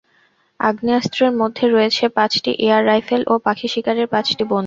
আগ্নেয়াস্ত্রের মধ্যে রয়েছে পাঁচটি এয়ার রাইফেল ও পাখি শিকারের পাঁচটি বন্দুক।